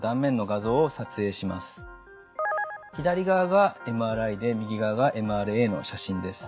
左側がＭＲＩで右側がＭＲＡの写真です。